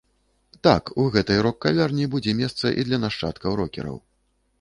Так, у гэтай рок-кавярні будзе месца і для нашчадкаў рокераў.